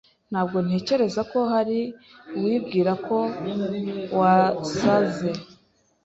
Ntabwo ntekereza ko hari uwibwira ko wasaze.